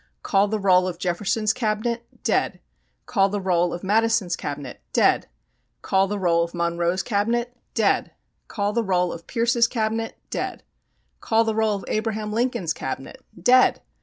Call the roll of Jefferson's Cabinet? Dead! Call the roll of Madison's Cabinet? Dead! Call the roll of Monroe's Cabinet? Dead! Call the roll of Pierce's Cabinet? Dead! Call the roll of Abraham Lincoln's Cabinet? Dead!